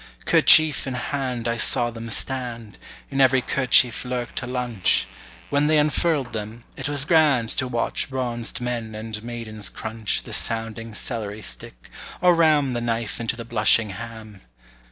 Kerchief in hand I saw them stand; In every kerchief lurk'd a lunch; When they unfurl'd them, it was grand To watch bronzed men and maidens crunch The sounding celery stick, or ram The knife into the blushing ham.